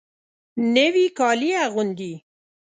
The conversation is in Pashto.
نوي کالي اغوندې